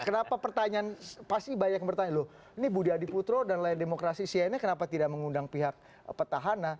kenapa pertanyaan pasti banyak yang bertanya loh ini budi adiputro dan layar demokrasi usianya kenapa tidak mengundang pihak petahana